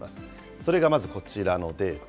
それがまずこちらのデータ。